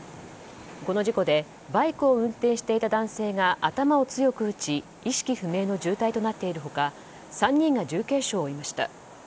この事故で、バイクを運転していた男性が頭を強く打ち意識不明の重体となっている他３人が重軽傷を負いました。